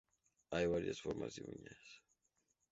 Hay varias formas de uñas.